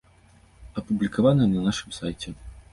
Апублікаванае на нашым сайце.